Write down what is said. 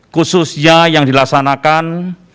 khususnya yang dilaksanakan